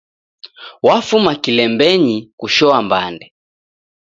Wafuma kilembenyi kushoa mbande